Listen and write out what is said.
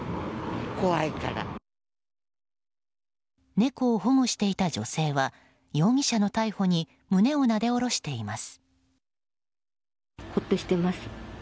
猫を保護していた女性は容疑者の逮捕に胸をなで下ろしています。